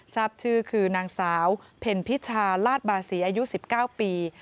ทราบชื่อคือนางสาวเพ็ญพิชาลาดบาศรีอายุ๑๙ปี